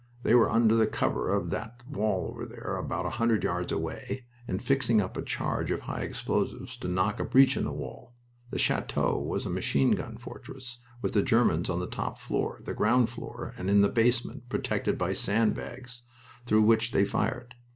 They were under the cover of that wall over there, about a hundred yards away, and fixing up a charge of high explosives to knock a breach in the wall. The chateau was a machine gun fortress, with the Germans on the top floor, the ground floor, and in the basement, protected by sand bags, through which they fired.